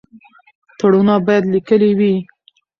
تړونونه باید لیکلي وي.